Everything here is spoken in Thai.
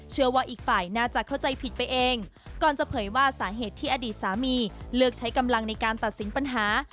เชื่อว่าอีกฝ่ายน่าจะเข้าใจผิดไปเองก่อนจะเผยว่าสาเหตุที่อดีตสามีเลือกใช้กำลังในการตัดสินปัญหา